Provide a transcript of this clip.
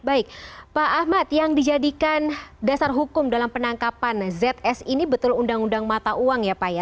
baik pak ahmad yang dijadikan dasar hukum dalam penangkapan zs ini betul undang undang mata uang ya pak ya